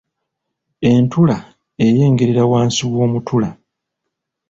Entula eyengerera wansi w’omutula.